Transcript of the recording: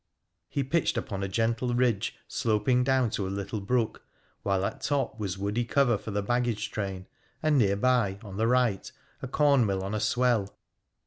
He pitched upon a gentle ridge sloping down to a little brook, while at top was woody cover for the baggage train, and near by, on the right, a corn mill on a swell.